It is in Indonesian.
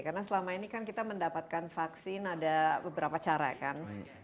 karena selama ini kan kita mendapatkan vaksin ada beberapa cara kan